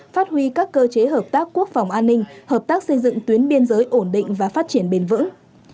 phát huy các cơ chế hợp tác quốc phòng an ninh hợp tác xây dựng tuyến biên giới ổn định và phát triển bền vững